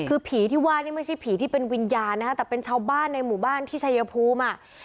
คือผีที่ว่านี่ไม่ใช่ผีที่เป็นวิญญาณนะฮะแต่เป็นชาวบ้านในหมู่บ้านที่ชายภูมิอ่ะ